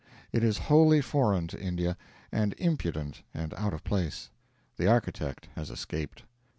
It is wholly foreign to India, and impudent and out of place. The architect has escaped.